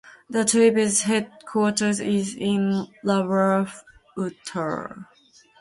The tribe's headquarters is in Ibapah, Utah.